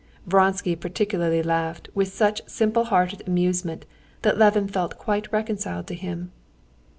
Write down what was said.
Vronsky particularly laughed with such simplehearted amusement that Levin felt quite reconciled to him.